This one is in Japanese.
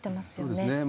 そうですね。